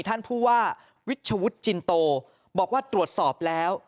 ท่านผู้ว่าวิชวุฒิจินโตบอกว่าตรวจสอบแล้ว